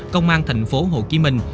công an thành phố hồ chí minh